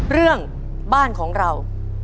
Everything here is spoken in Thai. เรื่องบ้านของเรา